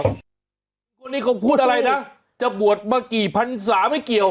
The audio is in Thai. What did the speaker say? คนนี้เขาพูดอะไรนะจะบวชมากี่พันศาไม่เกี่ยว